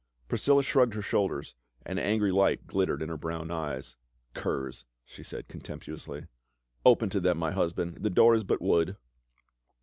Priscilla shrugged her shoulders, an angry light glittered in her brown eyes. " Curs !" she said con temptuously. " Open to them, my husband ; the door is but wood."